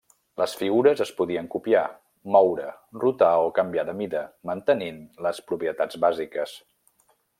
Les figures es podien copiar, moure, rotar o canviar de mida, mantenint les propietats bàsiques.